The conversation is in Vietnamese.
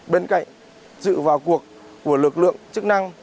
bên cạnh dự vào cuộc của lực lượng chức năng